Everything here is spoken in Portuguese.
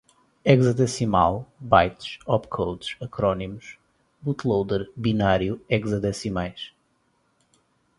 Hexadecimal, bytes, opcodes, acrônimos, bootloader, binário, hexadecimais